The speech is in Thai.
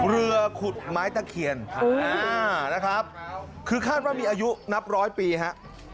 เรือขุดไม้ตะเคียนนะครับคือคาดว่ามีอายุนับร้อยปีฮะ